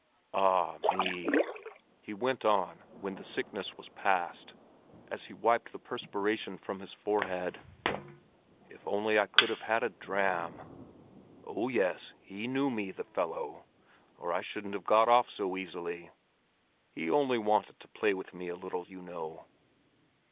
Ah me!" he went on, when the sickness was past, as he wiped the perspiration from his forehead. "If only I could have had a dram. Oh, yes, he knew me, the fellow, or I shouldn't have got off so easily. He only wanted to play with me a little, you know.